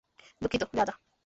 দুঃখিত, যা যা।